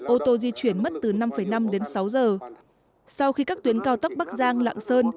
ô tô di chuyển mất từ năm năm đến sáu giờ sau khi các tuyến cao tốc bắc giang lạng sơn